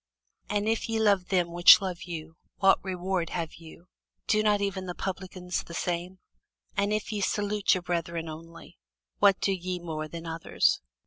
For if ye love them which love you, what reward have ye? do not even the publicans the same? And if ye salute your brethren only, what do ye more than others?